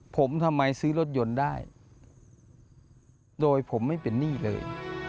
ผมทำไมซื้อรถยนต์ได้โดยผมไม่เป็นหนี้เลย